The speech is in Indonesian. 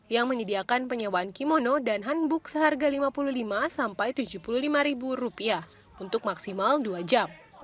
yang menyediakan penyewaan kimono dan handbook seharga lima puluh lima sampai tujuh puluh lima ribu rupiah untuk maksimal dua jam